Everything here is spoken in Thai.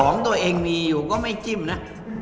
ของตัวเองมีอยู่ก็ไม่จิ้มนะ